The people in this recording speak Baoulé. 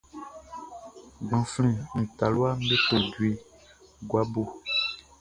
Gbanflɛn nin talua me to jue guabo.